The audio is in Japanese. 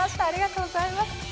ありがとうございます。